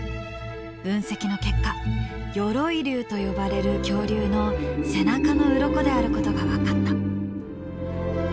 分析の結果鎧竜と呼ばれる恐竜の背中のウロコであることが分かった。